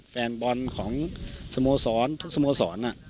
แฟนบอลของสโมสรทุกสโมสร